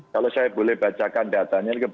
kalau saya boleh bacakan datanya